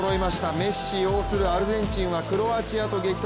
メッシ擁するアルゼンチンはクロアチアと激突。